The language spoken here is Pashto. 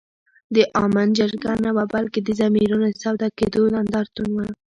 د آمن جرګه نه وه بلکي د ضمیرونو د سودا کېدو نندارتون وو